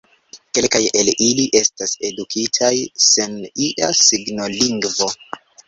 Kelkaj el ili estas edukitaj sen ia signolingvo.